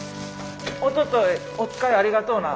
おとといお使いありがとうな。